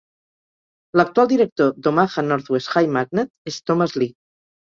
L'actual director d'Omaha Northwest High Magnet és Thomas Lee.